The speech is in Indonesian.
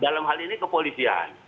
dalam hal ini kepolisian